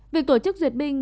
việc tổ chức ruột bình